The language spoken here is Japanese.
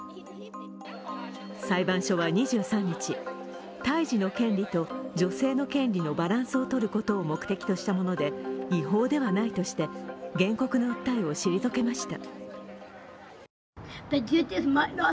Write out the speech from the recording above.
裁判所は２３日、胎児の権利と女性の権利のバランスをとることを目的としたもので違法ではないとして、原告の訴えを退けました。